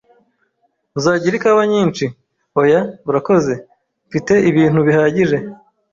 "Uzagira ikawa nyinshi?" "Oya, urakoze. Mfite ibintu bihagije."